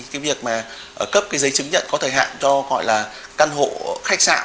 cái việc mà cấp cái giấy chứng nhận có thời hạn cho gọi là căn hộ khách sạn